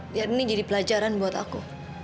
biar ini jadi pelajaran buat aku